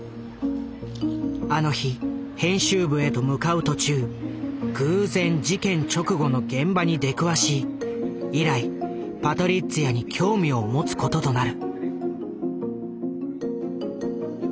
あの日編集部へと向かう途中偶然事件直後の現場に出くわし以来パトリッツィアに興味を持つこととなる。